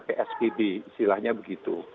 psbb istilahnya begitu